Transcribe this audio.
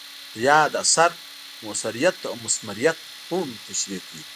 د یاد اثر مؤثریت او مثمریت هم تشریح کوي.